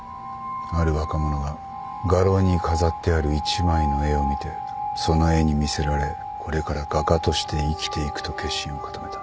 ある若者が画廊に飾ってある一枚の絵を見てその絵に魅せられこれから画家として生きていくと決心を固めた。